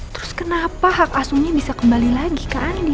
terus kenapa hak asumnya bisa kembali lagi ke andin